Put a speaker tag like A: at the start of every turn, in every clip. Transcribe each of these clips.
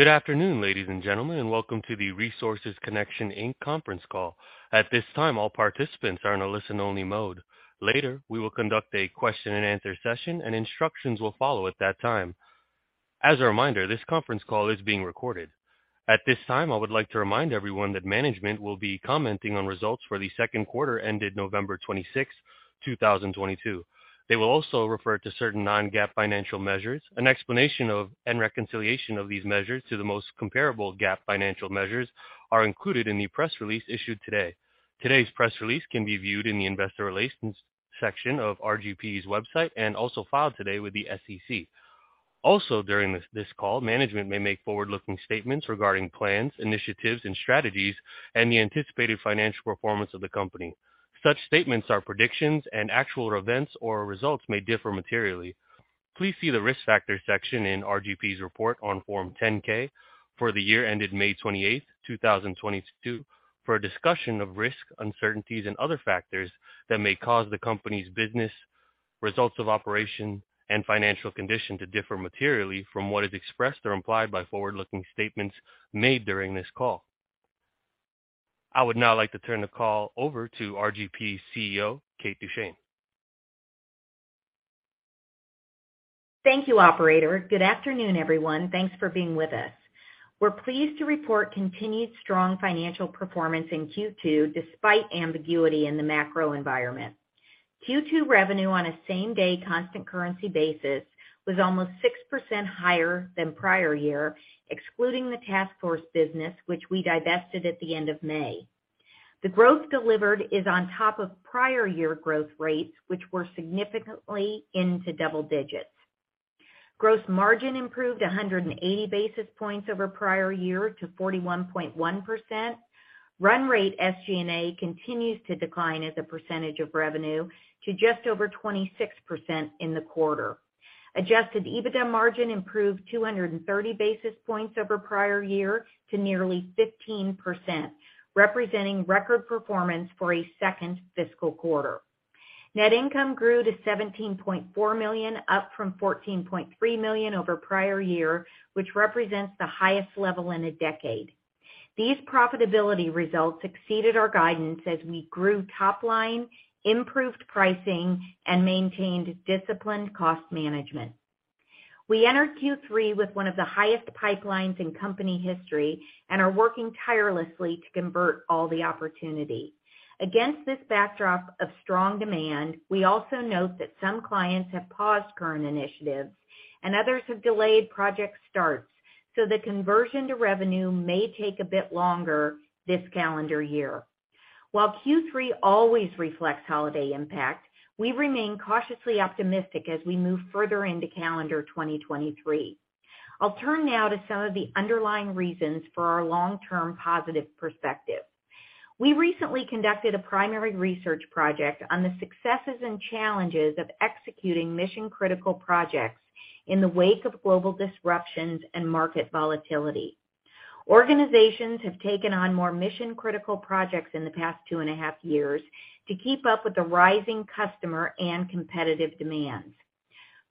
A: Good afternoon, ladies and gentlemen, welcome to the Resources Connection Inc. conference call. At this time, all participants are in a listen-only mode. Later, we will conduct a question-and-answer session and instructions will follow at that time. As a reminder, this conference call is being recorded. At this time, I would like to remind everyone that management will be commenting on results for the Q2 ended November 26, 2022. They will also refer to certain non-GAAP financial measures. An explanation of and reconciliation of these measures to the most comparable GAAP financial measures are included in the press release issued today. Today's press release can be viewed in the investor relations section of RGP's website and also filed today with the SEC. During this call, management may make forward-looking statements regarding plans, initiatives and strategies and the anticipated financial performance of the company. Such statements are predictions and actual events or results may differ materially. Please see the Risk Factors section in RGP's report on Form 10-K for the year ended May 28, 2022, for a discussion of risks, uncertainties and other factors that may cause the company's business, results of operation and financial condition to differ materially from what is expressed or implied by forward-looking statements made during this call. I would now like to turn the call over to RGP's CEO, Kate Duchene.
B: Thank you, operator. Good afternoon, everyone. Thanks for being with us. We're pleased to report continued strong financial performance in Q2 despite ambiguity in the macro environment. Q2 revenue on a same-day constant currency basis was almost 6% higher than prior year, excluding the task force business, which we divested at the end of May. The growth delivered is on top of prior year growth rates, which were significantly into double digits. Gross margin improved 180 basis points over prior year to 41.1%. Run rate SG&A continues to decline as a percentage of revenue to just over 26% in the quarter. Adjusted EBITDA margin improved 230 basis points over prior year to nearly 15%, representing record performance for a second fiscal quarter. Net income grew to $17.4 million, up from $14.3 million over prior year, which represents the highest level in a decade. These profitability results exceeded our guidance as we grew top line, improved pricing and maintained disciplined cost management. We entered Q3 with one of the highest pipelines in company history and are working tirelessly to convert all the opportunity. Against this backdrop of strong demand, we also note that some clients have paused current initiatives and others have delayed project starts, so the conversion to revenue may take a bit longer this calendar year. While Q3 always reflects holiday impact, we remain cautiously optimistic as we move further into calendar 2023. I'll turn now to some of the underlying reasons for our long-term positive perspective. We recently conducted a primary research project on the successes and challenges of executing mission-critical projects in the wake of global disruptions and market volatility. Organizations have taken on more mission-critical projects in the past 2.5 years to keep up with the rising customer and competitive demands.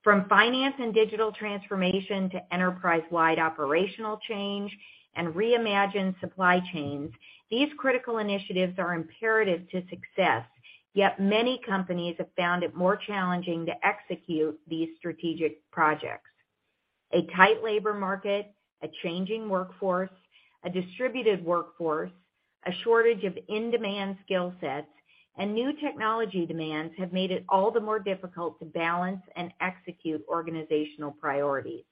B: From finance and digital transformation to enterprise-wide operational change and reimagined supply chains, these critical initiatives are imperative to success. Many companies have found it more challenging to execute these strategic projects. A tight labor market, a changing workforce, a distributed workforce, a shortage of in-demand skill sets, and new technology demands have made it all the more difficult to balance and execute organizational priorities.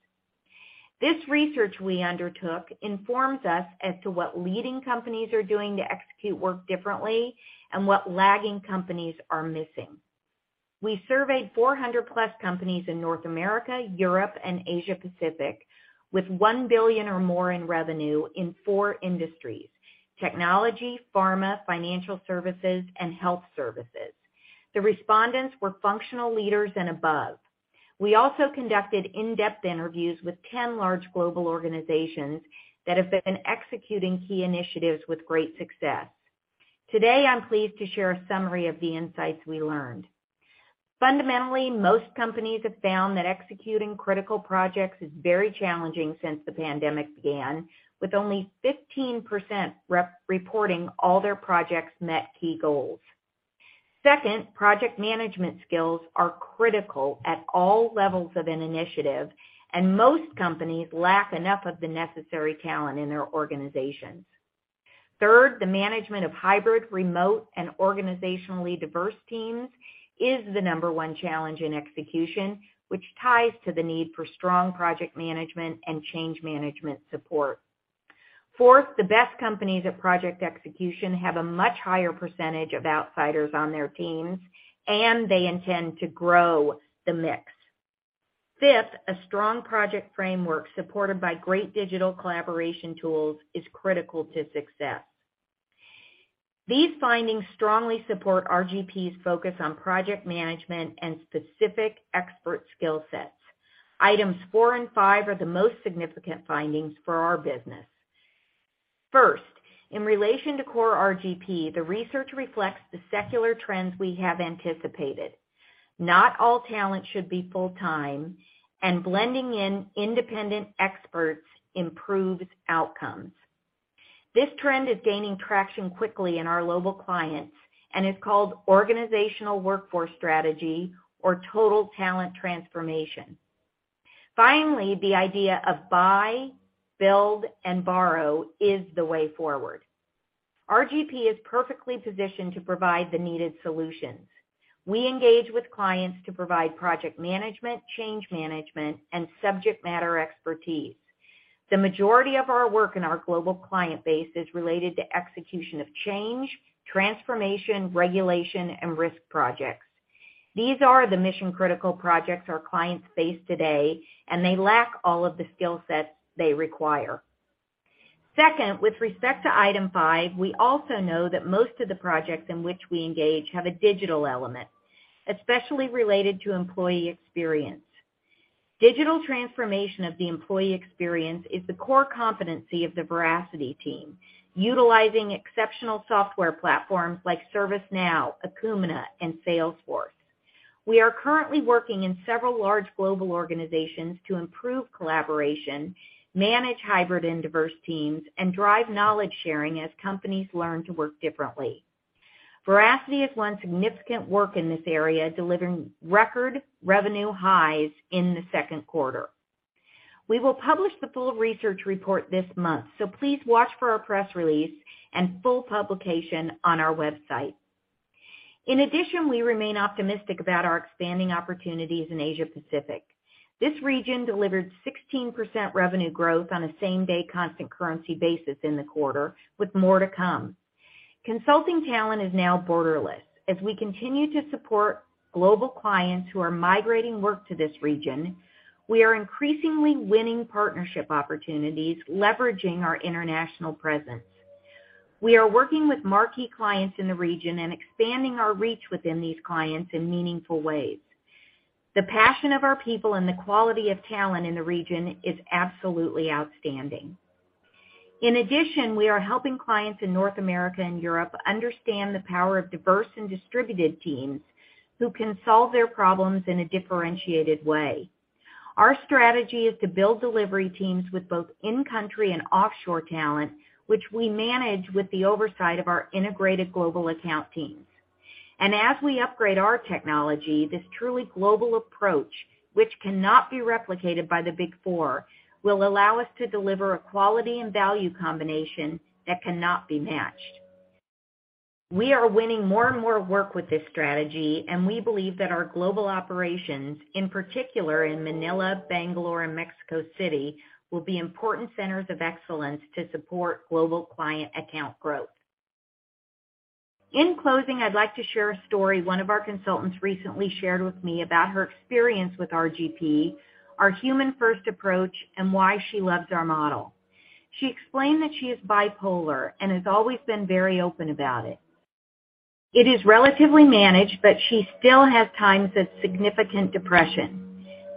B: This research we undertook informs us as to what leading companies are doing to execute work differently and what lagging companies are missing. We surveyed 400+ companies in North America, Europe and Asia Pacific with $1 billion or more in revenue in four industries: technology, pharma, financial services and health services. The respondents were functional leaders and above. We also conducted in-depth interviews with 10 large global organizations that have been executing key initiatives with great success. Today, I'm pleased to share a summary of the insights we learned. Fundamentally, most companies have found that executing critical projects is very challenging since the pandemic began, with only 15% reporting all their projects met key goals. Second, project management skills are critical at all levels of an initiative, and most companies lack enough of the necessary talent in their organizations. Third, the management of hybrid, remote, and organizationally diverse teams is the number one challenge in execution, which ties to the need for strong project management and change management support. Fourth, the best companies at project execution have a much higher percentage of outsiders on their teams, and they intend to grow the mix. Fifth, a strong project framework supported by great digital collaboration tools is critical to success. These findings strongly support RGP's focus on project management and specific expert skill sets. Items four and five are the most significant findings for our business. First, in relation to core RGP, the research reflects the secular trends we have anticipated. Not all talent should be full-time, and blending in independent experts improves outcomes. This trend is gaining traction quickly in our global clients and is called organizational workforce strategy or Total Talent Transformation. Finally, the idea of buy, build, and borrow is the way forward. RGP is perfectly positioned to provide the needed solutions. We engage with clients to provide project management, change management, and subject matter expertise. The majority of our work in our global client base is related to execution of change, transformation, regulation, and risk projects. These are the mission-critical projects our clients face today. They lack all of the skill sets they require. With respect to item 5, we also know that most of the projects in which we engage have a digital element, especially related to employee experience. Digital transformation of the employee experience is the core competency of the Veracity team, utilizing exceptional software platforms like ServiceNow, Acumatica, and Salesforce. We are currently working in several large global organizations to improve collaboration, manage hybrid and diverse teams, and drive knowledge sharing as companies learn to work differently. Veracity has won significant work in this area, delivering record revenue highs in the second quarter. We will publish the full research report this month. Please watch for our press release and full publication on our website. We remain optimistic about our expanding opportunities in Asia Pacific. This region delivered 16% revenue growth on a same-day constant currency basis in the quarter, with more to come. Consulting talent is now borderless. As we continue to support global clients who are migrating work to this region, we are increasingly winning partnership opportunities, leveraging our international presence. We are working with marquee clients in the region and expanding our reach within these clients in meaningful ways. The passion of our people and the quality of talent in the region is absolutely outstanding. We are helping clients in North America and Europe understand the power of diverse and distributed teams who can solve their problems in a differentiated way. Our strategy is to build delivery teams with both in-country and offshore talent, which we manage with the oversight of our integrated global account teams. As we upgrade our technology, this truly global approach, which cannot be replicated by the Big Four, will allow us to deliver a quality and value combination that cannot be matched. We are winning more and more work with this strategy, and we believe that our global operations, in particular in Manila, Bangalore, and Mexico City, will be important centers of excellence to support global client account growth. In closing, I'd like to share a story one of our consultants recently shared with me about her experience with RGP, our human-first approach, and why she loves our model. She explained that she is bipolar and has always been very open about it. It is relatively managed, but she still has times of significant depression.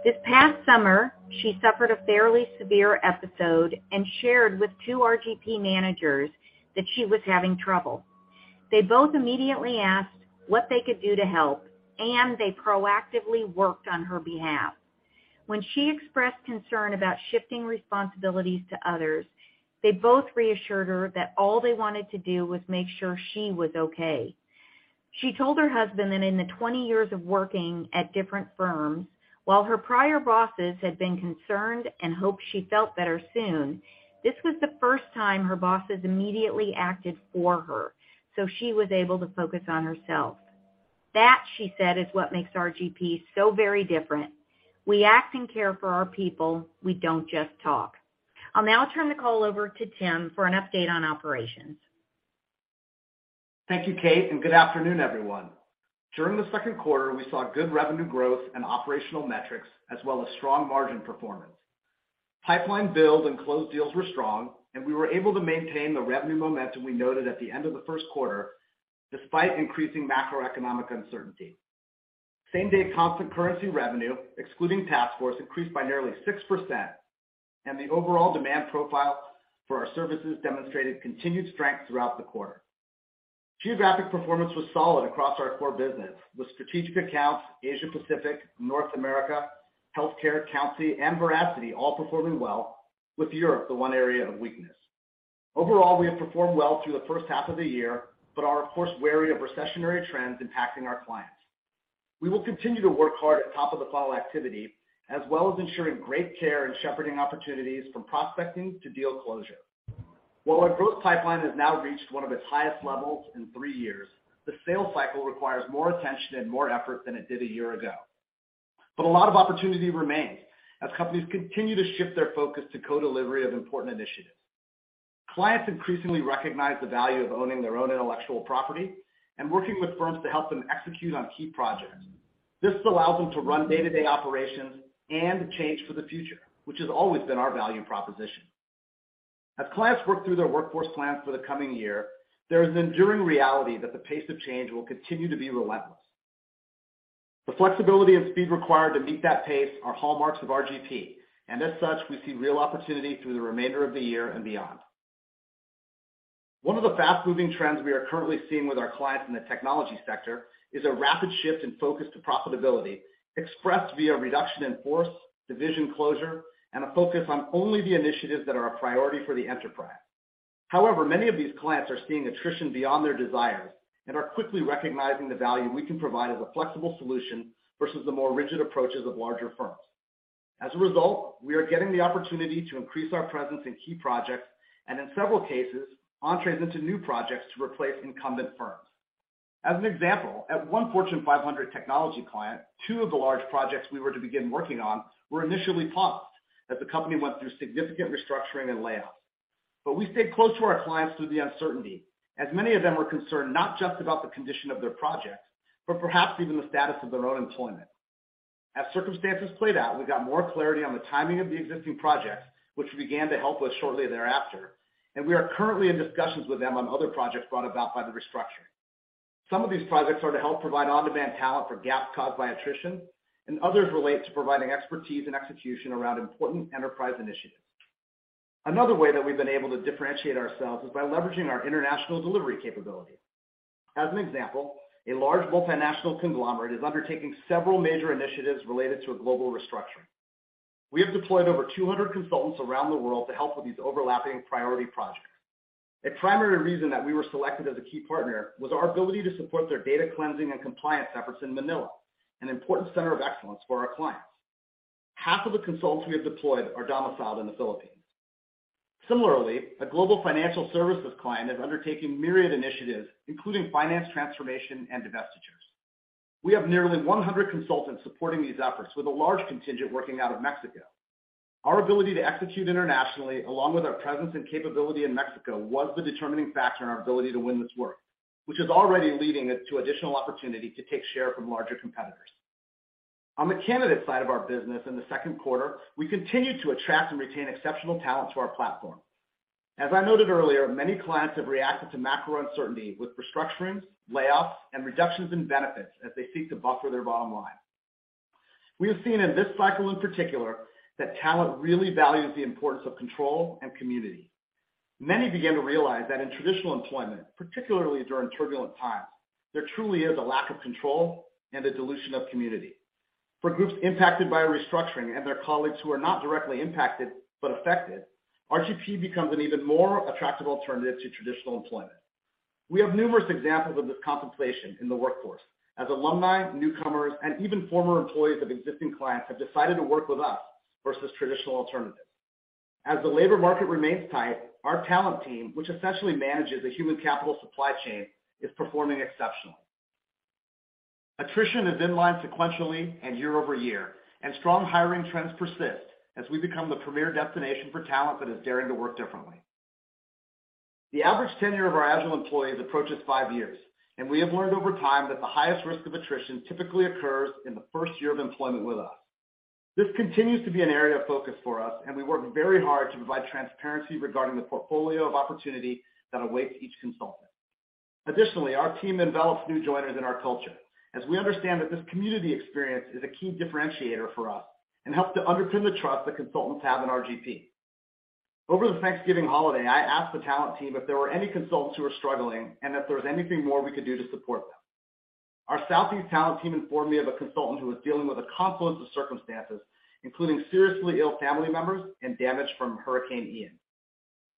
B: This past summer, she suffered a fairly severe episode and shared with two RGP managers that she was having trouble. They both immediately asked what they could do to help, and they proactively worked on her behalf. When she expressed concern about shifting responsibilities to others, they both reassured her that all they wanted to do was make sure she was okay. She told her husband that in the 20 years of working at different firms, while her prior bosses had been concerned and hoped she felt better soon, this was the first time her bosses immediately acted for her, so she was able to focus on herself. That, she said, is what makes RGP so very different. We act and care for our people. We don't just talk. I'll now turn the call over to Tim for an update on operations.
C: Thank you, Kate. Good afternoon, everyone. During the Q2, we saw good revenue growth and operational metrics as well as strong margin performance. Pipeline build and closed deals were strong, and we were able to maintain the revenue momentum we noted at the end of the Q1 despite increasing macroeconomic uncertainty. Same-day constant currency revenue, excluding taskforce, increased by nearly 6%, and the overall demand profile for our services demonstrated continued strength throughout the quarter. Geographic performance was solid across our core business, with strategic accounts, Asia Pacific, North America, healthcare, Countsy, and Veracity all performing well, with Europe the one area of weakness. Overall, we have performed well through the first half of the year, but are of course wary of recessionary trends impacting our clients. We will continue to work hard at top-of-the-funnel activity as well as ensuring great care and shepherding opportunities from prospecting to deal closure. While our growth pipeline has now reached one of its highest levels in 3 years, the sales cycle requires more attention and more effort than it did 1 year ago. A lot of opportunity remains as companies continue to shift their focus to co-delivery of important initiatives. Clients increasingly recognize the value of owning their own intellectual property and working with firms to help them execute on key projects. This allows them to run day-to-day operations and change for the future, which has always been our value proposition. As clients work through their workforce plans for the coming year, there is an enduring reality that the pace of change will continue to be relentless. The flexibility and speed required to meet that pace are hallmarks of RGP, and as such, we see real opportunity through the remainder of the year and beyond. One of the fast-moving trends we are currently seeing with our clients in the technology sector is a rapid shift in focus to profitability expressed via reduction in force, division closure, and a focus on only the initiatives that are a priority for the enterprise. Many of these clients are seeing attrition beyond their desires and are quickly recognizing the value we can provide as a flexible solution versus the more rigid approaches of larger firms. As a result, we are getting the opportunity to increase our presence in key projects, and in several cases, entrees into new projects to replace incumbent firms. As an example, at one Fortune 500 technology client, two of the large projects we were to begin working on were initially paused as the company went through significant restructuring and layoffs. We stayed close to our clients through the uncertainty, as many of them were concerned not just about the condition of their projects, but perhaps even the status of their own employment. As circumstances played out, we got more clarity on the timing of the existing projects, which began to help us shortly thereafter, and we are currently in discussions with them on other projects brought about by the restructuring. Some of these projects are to help provide on-demand talent for gaps caused by attrition, and others relate to providing expertise and execution around important enterprise initiatives. Another way that we've been able to differentiate ourselves is by leveraging our international delivery capability. As an example, a large multinational conglomerate is undertaking several major initiatives related to a global restructuring. We have deployed over 200 consultants around the world to help with these overlapping priority projects. A primary reason that we were selected as a key partner was our ability to support their data cleansing and compliance efforts in Manila, an important center of excellence for our clients. Half of the consultants we have deployed are domiciled in the Philippines. Similarly, a global financial services client is undertaking myriad initiatives, including finance transformation and divestitures. We have nearly 100 consultants supporting these efforts with a large contingent working out of Mexico. Our ability to execute internationally, along with our presence and capability in Mexico, was the determining factor in our ability to win this work, which is already leading it to additional opportunity to take share from larger competitors. On the candidate side of our business in the 2Q, we continued to attract and retain exceptional talent to our platform. As I noted earlier, many clients have reacted to macro uncertainty with restructurings, layoffs, and reductions in benefits as they seek to buffer their bottom line. We have seen in this cycle in particular that talent really values the importance of control and community. Many began to realize that in traditional employment, particularly during turbulent times, there truly is a lack of control and a dilution of community. For groups impacted by restructuring and their colleagues who are not directly impacted but affected, RGP becomes an even more attractive alternative to traditional employment. We have numerous examples of this contemplation in the workforce as alumni, newcomers, and even former employees of existing clients have decided to work with us versus traditional alternatives. As the labor market remains tight, our talent team, which essentially manages a human capital supply chain, is performing exceptionally. Attrition is in line sequentially and year-over-year, and strong hiring trends persist as we become the premier destination for talent that is daring to work differently. The average tenure of our agile employees approaches five years, and we have learned over time that the highest risk of attrition typically occurs in the first year of employment with us. This continues to be an area of focus for us, and we work very hard to provide transparency regarding the portfolio of opportunity that awaits each consultant. Additionally, our team envelops new joiners in our culture as we understand that this community experience is a key differentiator for us and helps to underpin the trust that consultants have in RGP. Over the Thanksgiving holiday, I asked the talent team if there were any consultants who were struggling and if there was anything more we could do to support them. Our Southeast talent team informed me of a consultant who was dealing with a confluence of circumstances, including seriously ill family members and damage from Hurricane Ian.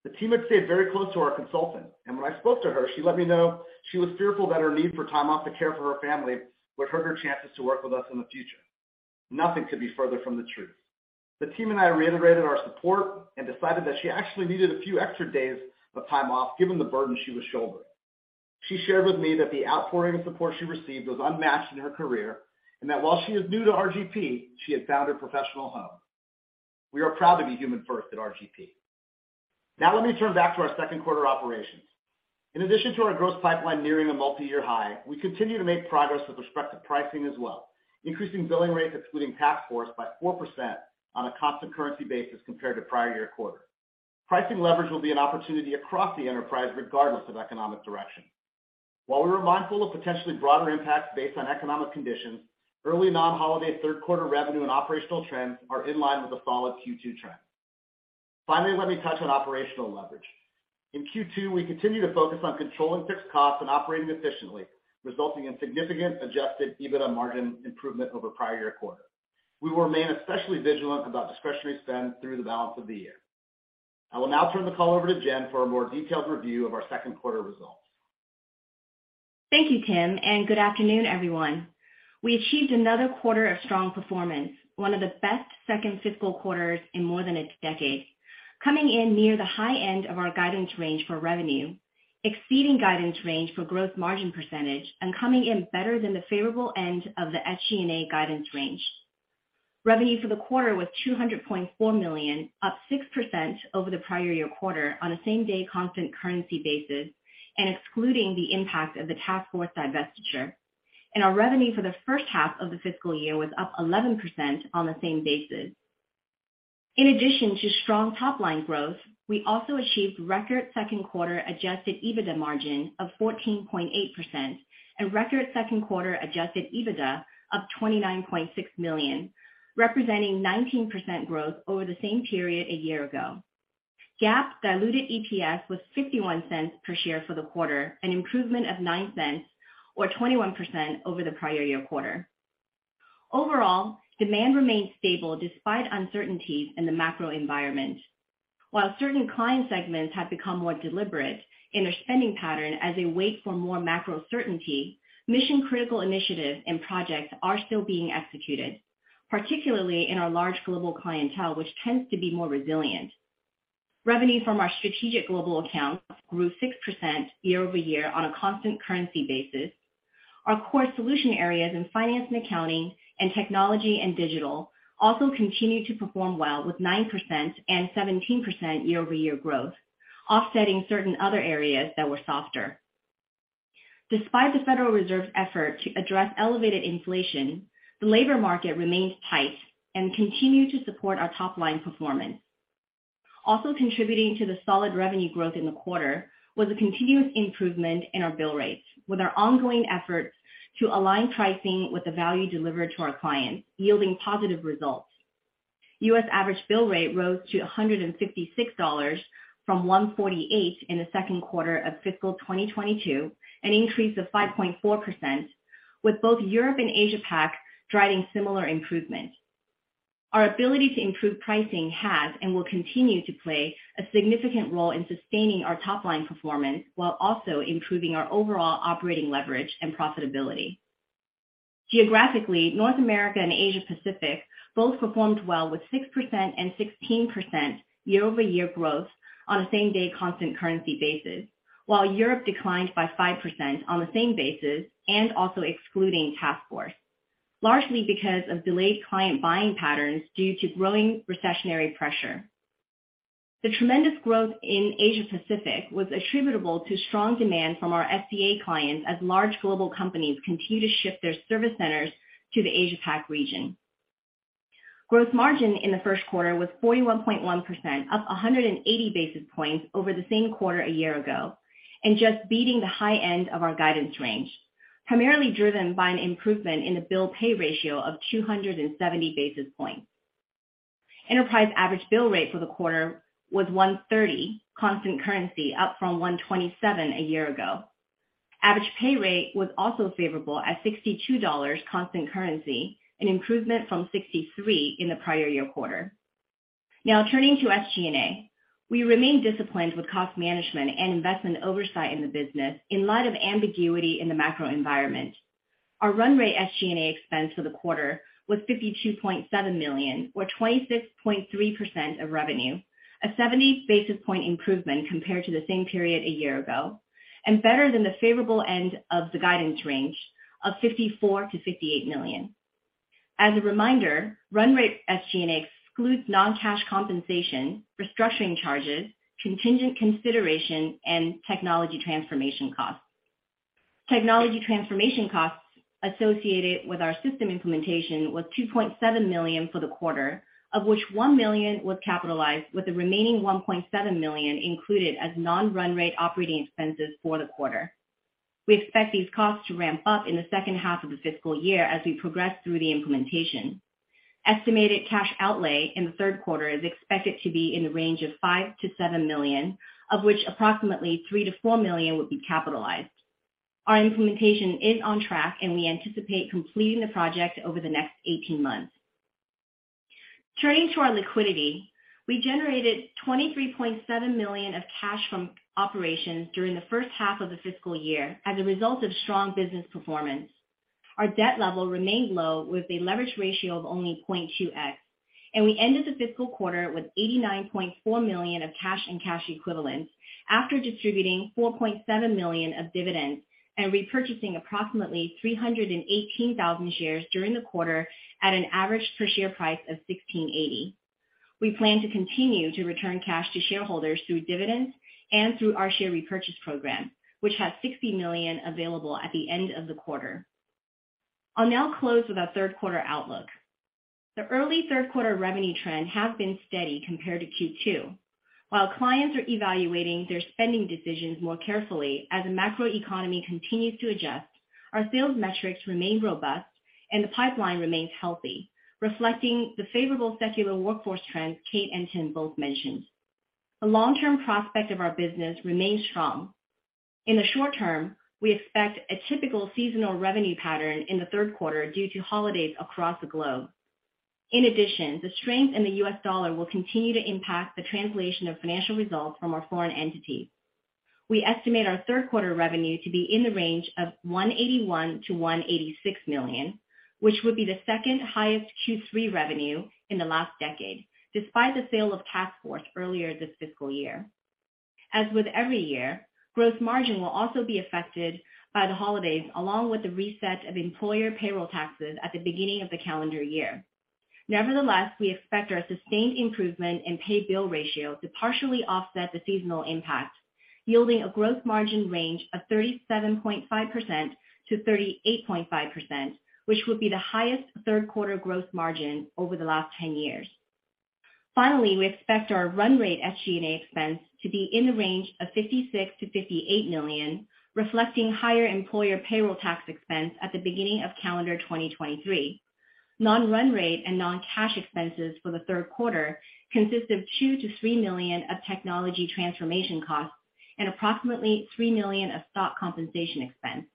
C: The team had stayed very close to our consultant, and when I spoke to her, she let me know she was fearful that her need for time off to care for her family would hurt her chances to work with us in the future. Nothing could be further from the truth. The team and I reiterated our support and decided that she actually needed a few extra days of time off given the burden she was shouldering. She shared with me that the outpouring of support she received was unmatched in her career, and that while she is new to RGP, she had found her professional home. We are proud to be human first at RGP. Let me turn back to our Q2 operations. In addition to our gross pipeline nearing a multi-year high, we continue to make progress with respect to pricing as well, increasing billing rates excluding taskforce by 4% on a constant currency basis compared to prior year quarter. Pricing leverage will be an opportunity across the enterprise regardless of economic direction. While we're mindful of potentially broader impacts based on economic conditions, early non-holiday Q3 revenue and operational trends are in line with the solid Q2 trends. Finally, let me touch on operational leverage. In Q2, we continued to focus on controlling fixed costs and operating efficiently, resulting in significant Adjusted EBITDA margin improvement over prior year quarter. We will remain especially vigilant about discretionary spend through the balance of the year. I will now turn the call over to Jen for a more detailed review of our Q2 results. Thank you, Tim, good afternoon, everyone. We achieved another quarter of strong performance, one of the best second fiscal quarters in more than a decade, coming in near the high end of our guidance range for revenue, exceeding guidance range for growth margin %, and coming in better than the favorable end of the SG&A guidance range. Revenue for the quarter was $200.4 million, up 6% over the prior year quarter on a same-day constant currency basis and excluding the impact of the TaskForce divestiture. Our revenue for the first half of the fiscal year was up 11% on the same basis. In addition to strong top-line growth, we also achieved record Q2 Adjusted EBITDA margin of 14.8% and record Q2 Adjusted EBITDA of $29.6 million, representing 19% growth over the same period a year ago. GAAP diluted EPS was $0.51 per share for the quarter, an improvement of $0.09 or 21% over the prior year quarter. Overall, demand remained stable despite uncertainties in the macro environment. While certain client segments have become more deliberate in their spending pattern as they wait for more macro certainty, mission-critical initiatives and projects are still being executed, particularly in our large global clientele, which tends to be more resilient. Revenue from our strategic global accounts grew 6% year-over-year on a constant currency basis. Our core solution areas in finance and accounting and technology and digital also continued to perform well with 9% and 17% year-over-year growth, offsetting certain other areas that were softer. Despite the Federal Reserve's effort to address elevated inflation, the labor market remains tight and continue to support our top-line performance. Also contributing to the solid revenue growth in the quarter was a continuous improvement in our bill rates, with our ongoing efforts to align pricing with the value delivered to our clients yielding positive results. U.S. average bill rate rose to $156 from $148 in the Q2 of fiscal 2022, an increase of 5.4%, with both Europe and APAC driving similar improvement. Our ability to improve pricing has and will continue to play a significant role in sustaining our top-line performance while also improving our overall operating leverage and profitability. Geographically, North America and Asia Pacific both performed well with 6% and 16% year-over-year growth on a same-day constant currency basis, while Europe declined by 5% on the same basis and also excluding taskforce, largely because of delayed client buying patterns due to growing recessionary pressure. The tremendous growth in Asia Pacific was attributable to strong demand from our FCA clients as large global companies continue to shift their service centers to the APAC region. Gross margin in the Q1 was 41.1%, up 180 basis points over the same quarter a year ago, and just beating the high end of our guidance range, primarily driven by an improvement in the bill/pay ratio of 270 basis points. Enterprise average bill rate for the quarter was $130 constant currency, up from $127 a year ago. Average pay rate was also favorable at $62 constant currency, an improvement from $63 in the prior year quarter. Turning to SG&A. We remain disciplined with cost management and investment oversight in the business in light of ambiguity in the macro environment. Our run rate SG&A expense for the quarter was $52.7 million or 26.3% of revenue, a 70 basis point improvement compared to the same period a year ago, and better than the favorable end of the guidance range of $54 million-$58 million. As a reminder, run rate SG&A excludes non-cash compensation, restructuring charges, contingent consideration, and technology transformation costs. Technology transformation costs associated with our system implementation was $2.7 million for the quarter, of which $1 million was capitalized with the remaining $1.7 million included as non-run rate operating expenses for the quarter. We expect these costs to ramp up in the second half of the fiscal year as we progress through the implementation. Estimated cash outlay in the Q3 is expected to be in the range of $5 million-$7 million, of which approximately $3 million-$4 million will be capitalized. Our implementation is on track. We anticipate completing the project over the next 18 months. Turning to our liquidity. We generated $23.7 million of cash from operations during the first half of the fiscal year as a result of strong business performance. Our debt level remained low, with a leverage ratio of only 0.2x. We ended the fiscal quarter with $89.4 million of cash and cash equivalents after distributing $4.7 million of dividends and repurchasing approximately 318,000 shares during the quarter at an average per share price of $16.80. We plan to continue to return cash to shareholders through dividends and through our share repurchase program, which has $60 million available at the end of the quarter. I'll now close with our Q3 outlook. The early Q3 revenue trend has been steady compared to Q2. While clients are evaluating their spending decisions more carefully as the macro economy continues to adjust, our sales metrics remain robust and the pipeline remains healthy, reflecting the favorable secular workforce trends Kate and Tim both mentioned. The long-term prospect of our business remains strong. In the short term, we expect a typical seasonal revenue pattern in the Q3 due to holidays across the globe. In addition, the strength in the U.S. dollar will continue to impact the translation of financial results from our foreign entities. We estimate our Q3 revenue to be in the range of $181 million-$186 million, which would be the second highest Q3 revenue in the last decade, despite the sale of taskforce earlier this fiscal year. As with every year, growth margin will also be affected by the holidays, along with the reset of employer payroll taxes at the beginning of the calendar year. Nevertheless, we expect our sustained improvement in bill/pay ratio to partially offset the seasonal impact, yielding a growth margin range of 37.5%-38.5%, which would be the highest Q3 growth margin over the last 10 years. Finally, we expect our run rate SG&A expense to be in the range of $56 million-$58 million, reflecting higher employer payroll tax expense at the beginning of calendar 2023. Non-run rate and non-cash expenses for the Q3 consist of $2 million-$3 million of technology transformation costs and approximately $3 million of stock compensation expense.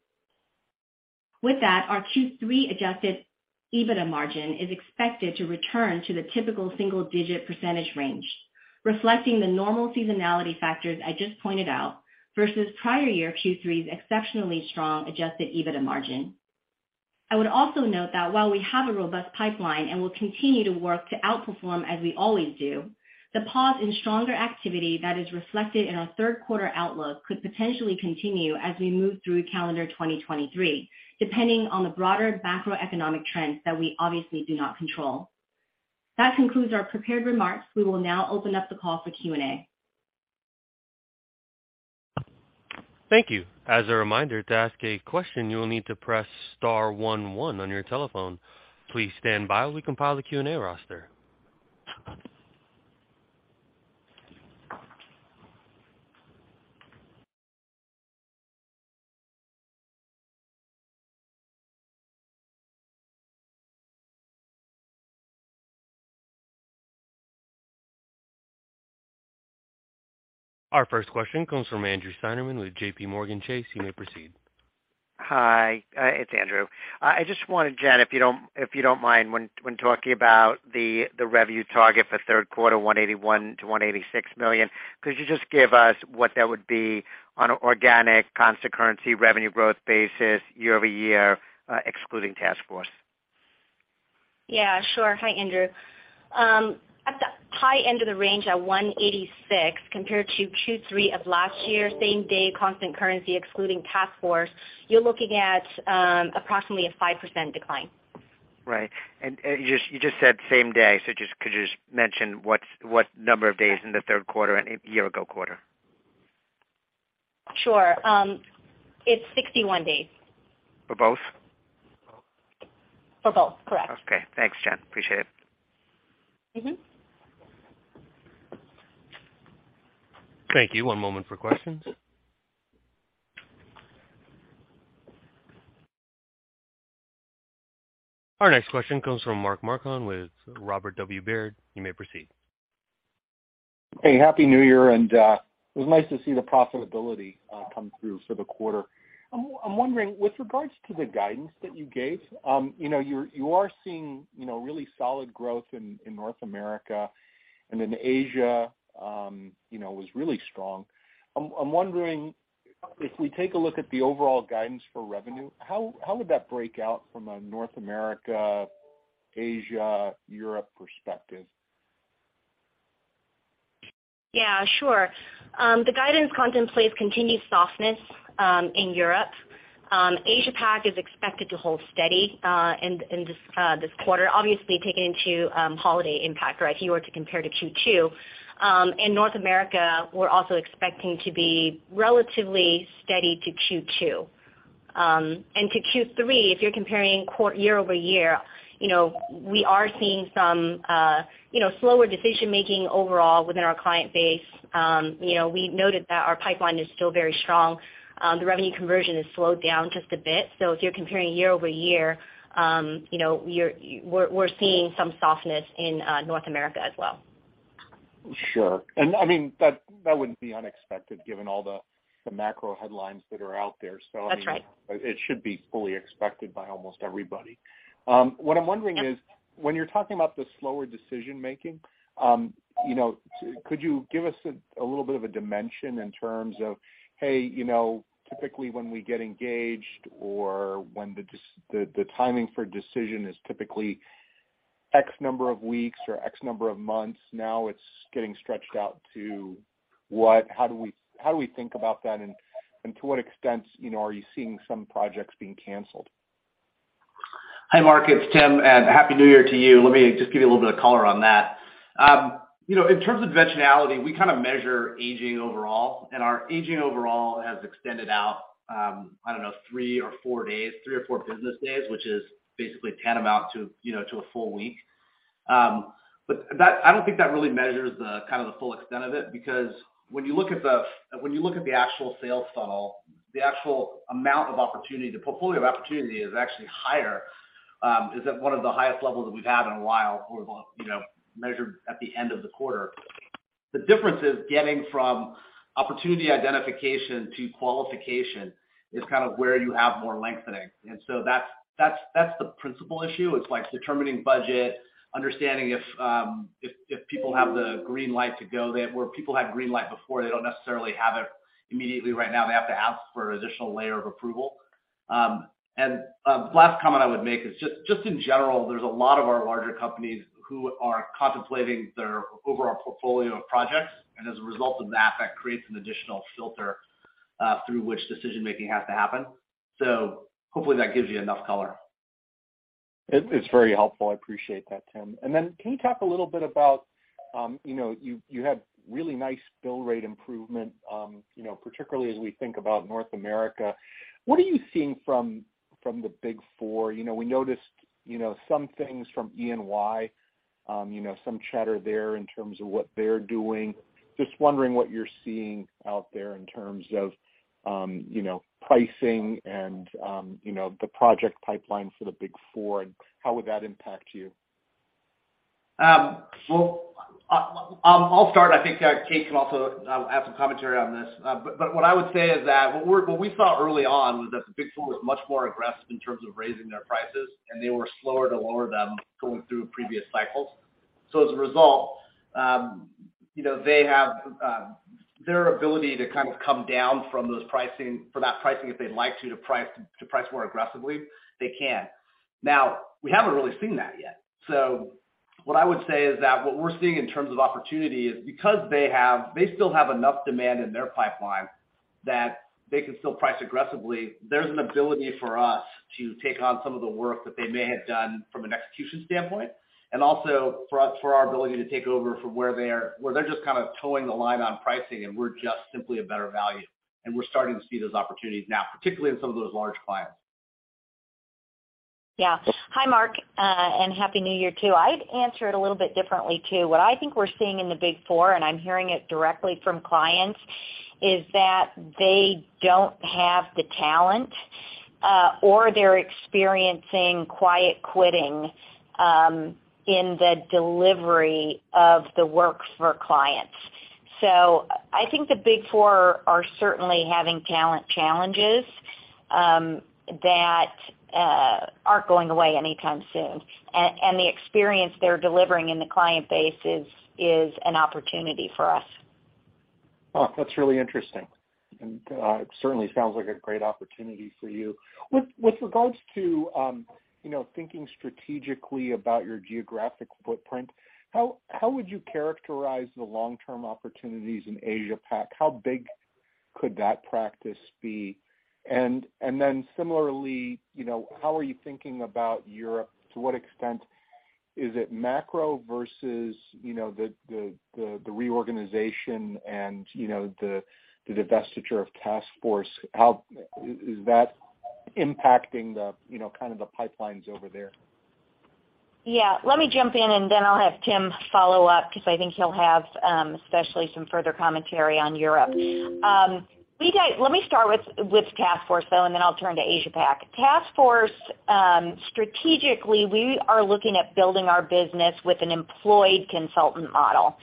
C: With that, our Q3 Adjusted EBITDA margin is expected to return to the typical single-digit % range, reflecting the normal seasonality factors I just pointed out, versus prior year Q3's exceptionally strong Adjusted EBITDA margin. I would also note that while we have a robust pipeline and will continue to work to outperform as we always do, the pause in stronger activity that is reflected in our Q3 outlook could potentially continue as we move through calendar 2023, depending on the broader macroeconomic trends that we obviously do not control. That concludes our prepared remarks. We will now open up the call for Q&A.
A: Thank you. As a reminder, to ask a question, you will need to press star one one on your telephone. Please stand by while we compile the Q&A roster. Our first question comes from Andrew Steinerman with JPMorgan Chase. You may proceed.
D: Hi, it's Andrew. I just wonder, Jen, if you don't mind, when talking about the revenue target for Q3, $181 million-$186 million, could you just give us what that would be on an organic constant currency revenue growth basis year-over-year, excluding taskforce?
C: Yeah, sure. Hi, Andrew. At the high end of the range at $186 compared to Q3 of last year, same-day constant currency excluding taskforce, you're looking at, approximately a 5% decline.
D: Right. You just said same day. Just, could you just mention what number of days in the Q3 and year-ago quarter?
C: Sure. It's 61 days.
D: For both?
C: For both, correct.
D: Okay. Thanks, Jen. Appreciate it.
C: Mm-hmm.
A: Thank you. One moment for questions. Our next question comes from Mark Marcon with Robert W. Baird. You may proceed.
E: Hey, happy New Year, and it was nice to see the profitability come through for the quarter. I'm wondering, with regards to the guidance that you gave, you know, you're, you are seeing, you know, really solid growth in North America, and then Asia, you know, was really strong. I'm wondering if we take a look at the overall guidance for revenue, how would that break out from a North America, Asia, Europe perspective?
C: Yeah, sure. The guidance contemplates continued softness in Europe. APAC is expected to hold steady in this quarter, obviously taking into holiday impact, right? If you were to compare to Q2. In North America, we're also expecting to be relatively steady to Q2. And to Q3, if you're comparing year-over-year, you know, we are seeing some, you know, slower decision-making overall within our client base. You know, we noted that our pipeline is still very strong. The revenue conversion has slowed down just a bit. So if you're comparing year-over-year, you know, we're, we're seeing some softness in North America as well.
E: Sure. I mean, that wouldn't be unexpected given all the macro headlines that are out there.
C: That's right.
E: It should be fully expected by almost everybody. What I'm wondering is, when you're talking about the slower decision-making, you know, could you give us a little bit of a dimension in terms of, hey, you know, typically when we get engaged or when the timing for decision is typically X number of weeks or X number of months, now it's getting stretched out to what? How do we, how do we think about that and to what extent, you know, are you seeing some projects being canceled?
C: Hi, Marc, it's Tim, and Happy New Year to you. Let me just give you a little bit of color on that. You know, in terms of eventuality, we kinda measure aging overall, and our aging overall has extended out, I don't know, 3 or 4 days, 3 or 4 business days, which is basically tantamount to, you know, to a full week. That I don't think that really measures the kind of the full extent of it because when you look at the actual sales funnel, the actual amount of opportunity, the portfolio of opportunity is actually higher, it's at one of the highest levels that we've had in a while or the, you know, measured at the end of the quarter. The difference is getting from opportunity identification to qualification is kind of where you have more lengthening. That's the principal issue. It's like determining budget, understanding if people have the green light to go. Where people had green light before, they don't necessarily have it immediately right now. They have to ask for additional layer of approval. Last comment I would make is just in general, there's a lot of our larger companies who are contemplating their overall portfolio of projects, and as a result of that creates an additional filter, through which decision-making has to happen. Hopefully that gives you enough color.
E: It's very helpful. I appreciate that, Tim. Can you talk a little bit about, you know, you had really nice bill rate improvement, you know, particularly as we think about North America. What are you seeing from the Big Four? You know, we noticed, you know, some things from EY, you know, some chatter there in terms of what they're doing. Just wondering what you're seeing out there in terms of, you know, pricing and, you know, the project pipeline for the Big Four, and how would that impact you?
C: Well, I'll start. I think Kate can also add some commentary on this. What I would say is that what we saw early on was that the Big Four was much more aggressive in terms of raising their prices, and they were slower to lower them going through previous cycles. As a result, you know, they have their ability to kind of come down from those pricing for that pricing if they'd like to price more aggressively, they can. We haven't really seen that yet. What I would say is that what we're seeing in terms of opportunity is because they still have enough demand in their pipeline that they can still price aggressively, there's an ability for us to take on some of the work that they may have done from an execution standpoint, and also for us, for our ability to take over from where they're just kind of towing the line on pricing and we're just simply a better value. We're starting to see those opportunities now, particularly in some of those large clients.
B: Yeah. Hi, Mark. Happy New Year, too. I'd answer it a little bit differently, too. What I think we're seeing in the Big Four, and I'm hearing it directly from clients, is that they don't have the talent, or they're experiencing quiet quitting in the delivery of the work for clients. I think the Big Four are certainly having talent challenges that aren't going away anytime soon. The experience they're delivering in the client base is an opportunity for us.
E: Oh, that's really interesting, and it certainly sounds like a great opportunity for you. With regards to, you know, thinking strategically about your geographic footprint, how would you characterize the long-term opportunities in Asia Pac? How big could that practice be? And then similarly, you know, how are you thinking about Europe? To what extent is it macro versus, you know, the reorganization and, you know, the divestiture of TaskForce? How is that impacting the, you know, kind of the pipelines over there?
B: Yeah. Let me jump in and then I'll have Tim follow up, 'cause I think he'll have, especially some further commentary on Europe. Let me start with TaskForce, though, and then I'll turn to Asia Pac. TaskForce, strategically, we are looking at building our business with an employed consultant model.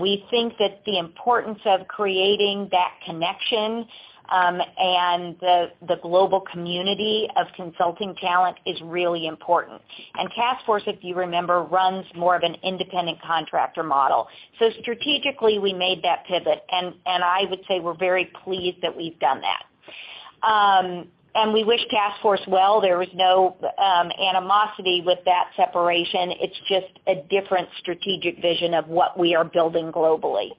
B: We think that the importance of creating that connection, and the global community of consulting talent is really important. TaskForce, if you remember, runs more of an independent contractor model. Strategically, we made that pivot and I would say we're very pleased that we've done that. We wish TaskForce well. There was no, animosity with that separation. It's just a different strategic vision of what we are building globally.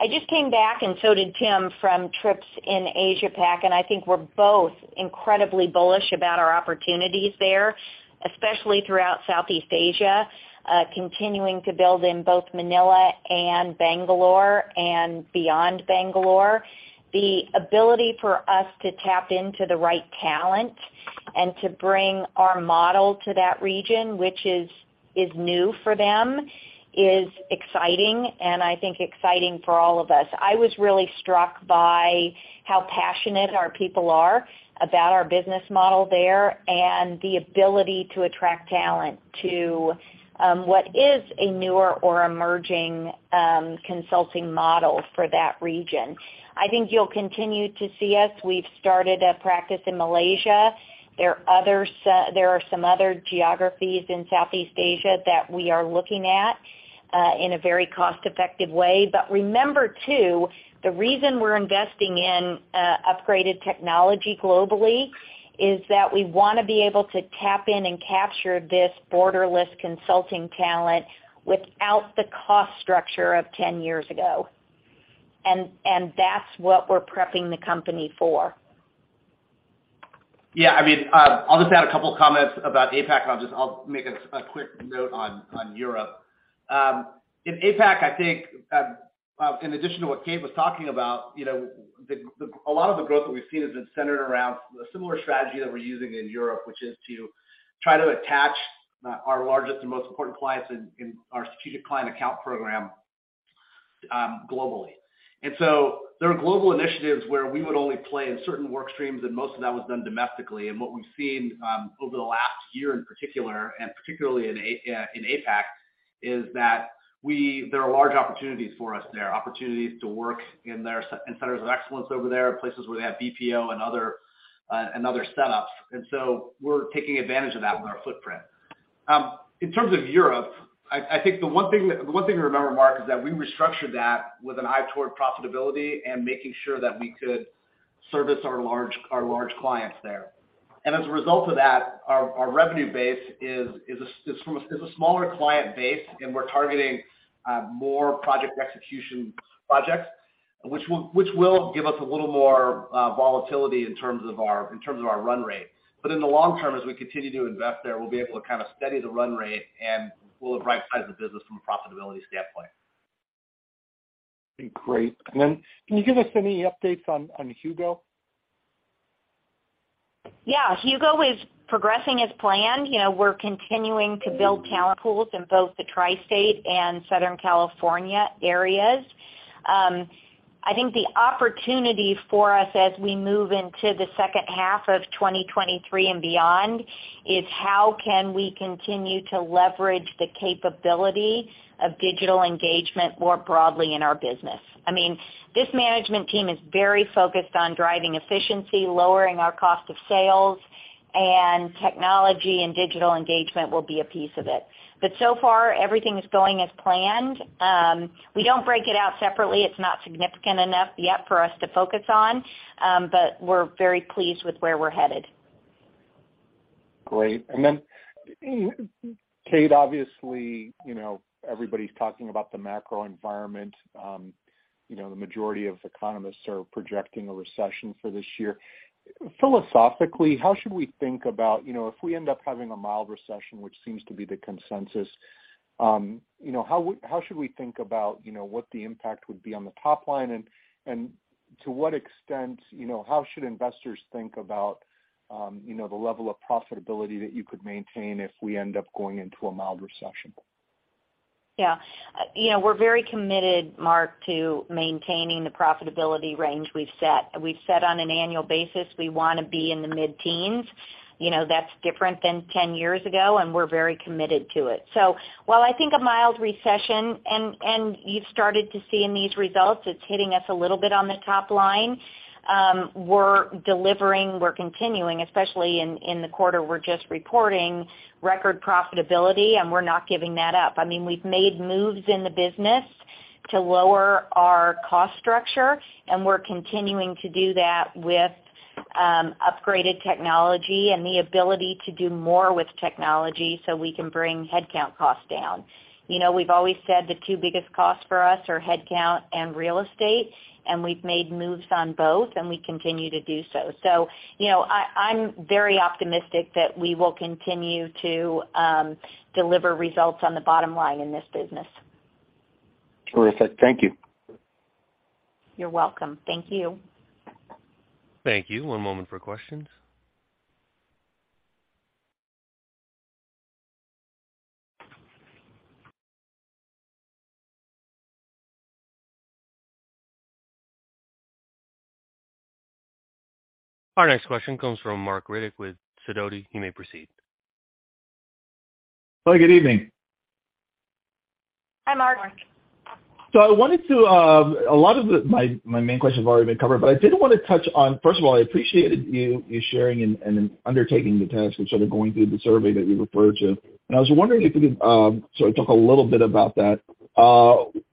B: I just came back, so did Tim, from trips in APAC. I think we're both incredibly bullish about our opportunities there, especially throughout Southeast Asia, continuing to build in both Manila and Bangalore and beyond Bangalore. The ability for us to tap into the right talent and to bring our model to that region, which is new for them, is exciting, and I think exciting for all of us. I was really struck by how passionate our people are about our business model there and the ability to attract talent to what is a newer or emerging consulting model for that region. I think you'll continue to see us. We've started a practice in Malaysia. There are some other geographies in Southeast Asia that we are looking at in a very cost-effective way. Remember too, the reason we're investing in upgraded technology globally is that we wanna be able to tap in and capture this borderless consulting talent without the cost structure of 10 years ago. That's what we're prepping the company for.
C: Yeah, I mean, I'll just add a couple of comments about APAC, and I'll make a quick note on Europe. In APAC, I think, in addition to what Kate was talking about, you know, a lot of the growth that we've seen has been centered around a similar strategy that we're using in Europe, which is to try to attach our largest and most important clients in our strategic client account program globally. There are global initiatives where we would only play in certain work streams, and most of that was done domestically. What we've seen, over the last year in particular, and particularly in APAC, is that there are large opportunities for us there, opportunities to work in their centers of excellence over there, places where they have BPO and other, and other setups. So we're taking advantage of that with our footprint. In terms of Europe, I think the one thing that, the one thing to remember, Mark, is that we restructured that with an eye toward profitability and making sure that we could service our large, our large clients there. As a result of that, our revenue base is a smaller client base, and we're targeting more project execution projects. Which will give us a little more volatility in terms of our run rate. In the long term, as we continue to invest there, we'll be able to kind of steady the run rate, and we'll have right-sized the business from a profitability standpoint.
E: Great. Then can you give us any updates on HUGO?
B: Yeah. HUGO is progressing as planned. You know, we're continuing to build talent pools in both the Tri-State and Southern California areas. I think the opportunity for us as we move into the second half of 2023 and beyond is how can we continue to leverage the capability of digital engagement more broadly in our business. I mean, this management team is very focused on driving efficiency, lowering our cost of sales, and technology and digital engagement will be a piece of it. So far, everything is going as planned. We don't break it out separately. It's not significant enough yet for us to focus on, but we're very pleased with where we're headed.
E: Great. Then, Kate, obviously, you know, everybody's talking about the macro environment. You know, the majority of economists are projecting a recession for this year. Philosophically, how should we think about, you know, if we end up having a mild recession, which seems to be the consensus, you know, how should we think about, you know, what the impact would be on the top line? To what extent, you know, how should investors think about, you know, the level of profitability that you could maintain if we end up going into a mild recession?
B: Yeah. You know, we're very committed, Mark, to maintaining the profitability range we've set. We've set on an annual basis, we wanna be in the mid-teens. You know, that's different than 10 years ago, and we're very committed to it. While I think a mild recession, and you've started to see in these results, it's hitting us a little bit on the top line, we're delivering, we're continuing, especially in the quarter we're just reporting, record profitability, and we're not giving that up. I mean, we've made moves in the business to lower our cost structure, and we're continuing to do that with upgraded technology and the ability to do more with technology so we can bring headcount costs down. You know, we've always said the two biggest costs for us are headcount and real estate, and we've made moves on both, and we continue to do so. You know, I'm very optimistic that we will continue to deliver results on the bottom line in this business.
E: Terrific. Thank you.
B: You're welcome. Thank you.
A: Thank you. One moment for questions. Our next question comes from Marc Riddick with Sidoti. You may proceed.
F: Hi, good evening.
B: Hi, Mark.
F: I wanted to, a lot of the... my main questions have already been covered, but I did wanna touch on. First of all, I appreciated you sharing and undertaking the task and sort of going through the survey that you referred to. I was wondering if you could sort of talk a little bit about that.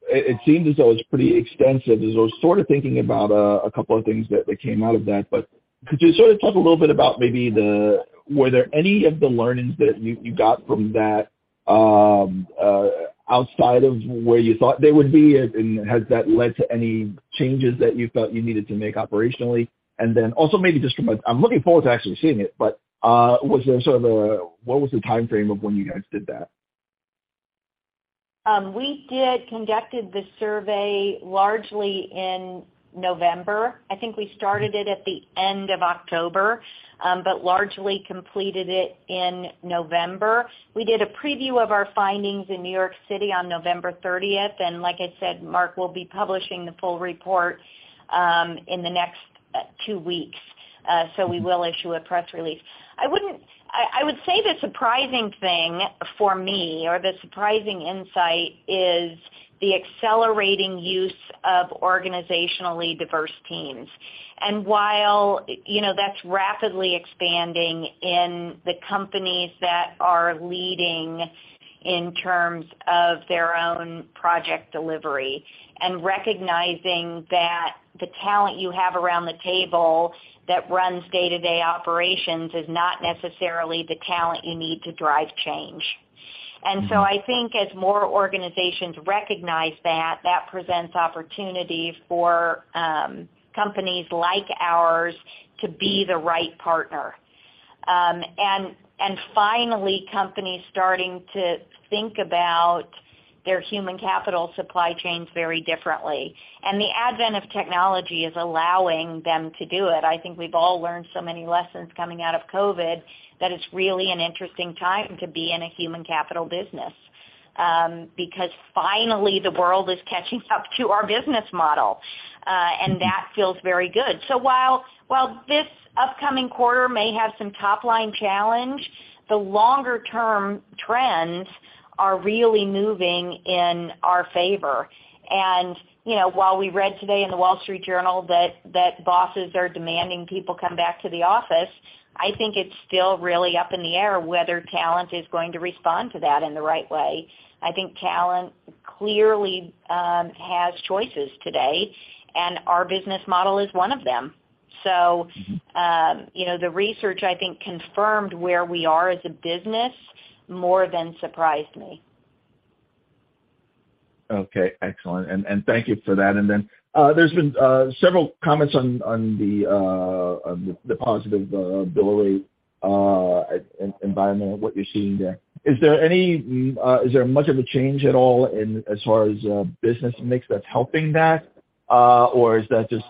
F: It seems as though it's pretty extensive. As I was sort of thinking about a couple of things that came out of that, but could you sort of talk a little bit about maybe the... were there any of the learnings that you got from that, outside of where you thought they would be? Has that led to any changes that you felt you needed to make operationally? Also maybe just from a... I'm looking forward to actually seeing it, was there sort of a, what was the timeframe of when you guys did that?
B: We did conducted the survey largely in November. I think we started it at the end of October, but largely completed it in November. We did a preview of our findings in New York City on November 30th, and like I said, Mark, we'll be publishing the full report, in the next 2 weeks. We will issue a press release. I would say the surprising thing for me or the surprising insight is the accelerating use of organizationally diverse teams. While, you know, that's rapidly expanding in the companies that are leading in terms of their own project delivery and recognizing that the talent you have around the table that runs day-to-day operations is not necessarily the talent you need to drive change. I think as more organizations recognize that presents opportunities for companies like ours to be the right partner. Finally, companies starting to think about their human capital supply chains very differently. The advent of technology is allowing them to do it. I think we've all learned so many lessons coming out of COVID that it's really an interesting time to be in a human capital business, because finally the world is catching up to our business model, and that feels very good. While this upcoming quarter may have some top-line challenge, the longer-term trends are really moving in our favor. you know, while we read today in The Wall Street Journal that bosses are demanding people come back to the office, I think it's still really up in the air whether talent is going to respond to that in the right way. I think talent clearly has choices today, and our business model is one of them.
F: Mm-hmm.
B: You know, the research I think confirmed where we are as a business more than surprised me.
F: Okay, excellent. Thank you for that. There's been several comments on the positive bill rate environment, what you're seeing there. Is there any, is there much of a change at all in as far as business mix that's helping that, or is that just,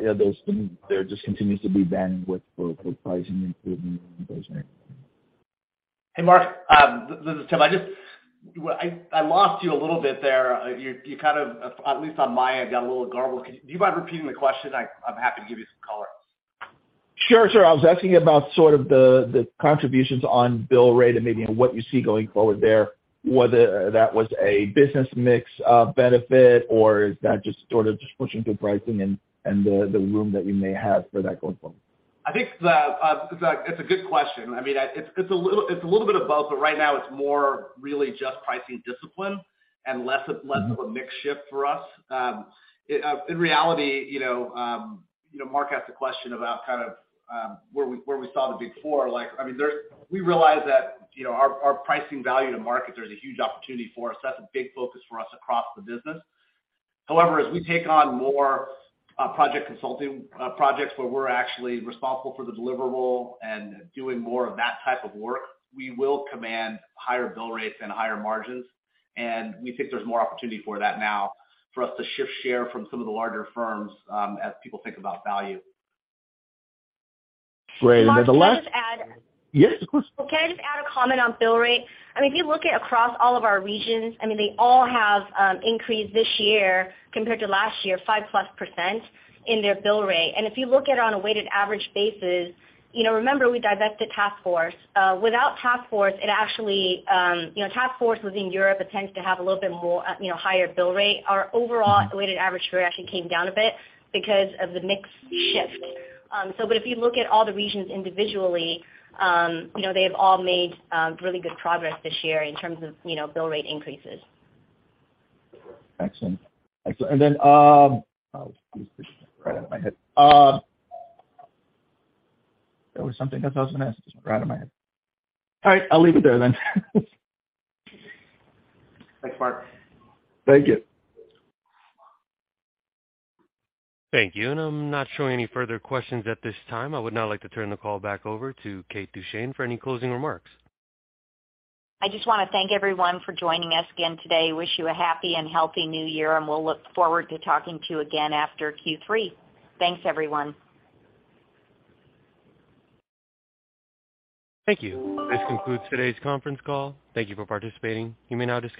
F: you know, there just continues to be bandwidth for pricing improvement?
C: Hey, Marc, this is Tim. I lost you a little bit there. You kind of, at least on my end, got a little garbled. Do you mind repeating the question? I'm happy to give you some color.
F: Sure. I was asking about sort of the contributions on bill rate and maybe, you know, what you see going forward there, whether that was a business mix benefit, or is that just sort of just pushing through pricing and the room that you may have for that going forward?
C: I think it's a good question. I mean, it's a little bit of both, but right now it's more really just pricing discipline and less of a mix shift for us. In reality, you know, Mark asked a question about kind of where we saw the Big Four. Like, I mean, we realize that, you know, our pricing value to market, there's a huge opportunity for us. That's a big focus for us across the business. As we take on more, project consulting, projects where we're actually responsible for the deliverable and doing more of that type of work, we will command higher bill rates and higher margins, and we think there's more opportunity for that now for us to shift share from some of the larger firms, as people think about value.
F: Right. the last.
C: Hey, Mark, can I just?
F: Yes, of course.
C: Can I just add a comment on bill rate? I mean, if you look at across all of our regions, I mean, they all have increased this year compared to last year, 5+% in their bill rate. If you look at it on a weighted average basis, you know, remember we divested taskforce. Without taskforce, it actually, you know, taskforce was in Europe, it tends to have a little bit more, you know, higher bill rate. Our overall weighted average rate actually came down a bit because of the mix shift. If you look at all the regions individually, you know, they have all made really good progress this year in terms of, you know, bill rate increases.
F: Excellent. Excellent. Then, oh, jeez. It just went right out of my head. There was something I was supposed to ask, just went right out of my head. All right, I'll leave it there then.
C: Thanks, Mark.
F: Thank you.
A: Thank you. I'm not showing any further questions at this time. I would now like to turn the call back over to Kate Duchene for any closing remarks.
B: I just wanna thank everyone for joining us again today. Wish you a happy and healthy new year, and we'll look forward to talking to you again after Q3. Thanks, everyone.
A: Thank you. This concludes today's conference call. Thank you for participating. You may now disconnect.